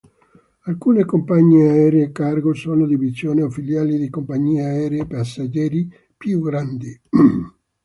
Alcune compagnie aeree cargo sono divisioni o filiali di compagnie aeree passeggeri più grandi.